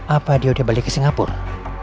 apa dia udah balik ke singapura